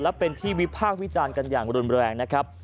และเป็นที่วิพากษ์วิจารณ์กันอย่างรุนแรงนะครับ